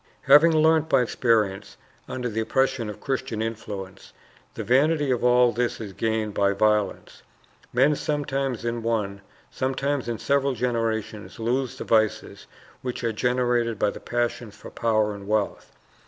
Having learnt by experience, under the operation of Christian influence, the vanity of all that is gained by violence, men sometimes in one, sometimes in several generations lose the vices which are generated by the passion for power and wealth.